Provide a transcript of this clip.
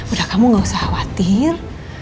udah kamu gak usah khawatir